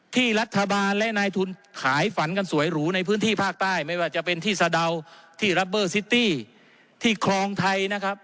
ที่รัฐบาลและนายทุนขายฝันกันสวยหรูในพื้นที่ภาคใต้ไม่ว่าจะเป็นที่สะดาวที่รัปเบอร์ซิตี้ที่คลองไทยนะครับ